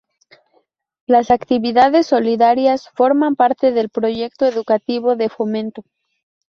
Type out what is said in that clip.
Las actividades solidarias forman parte del proyecto educativo de Fomento.